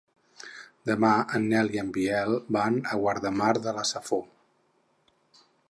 Demà en Nel i en Biel van a Guardamar de la Safor.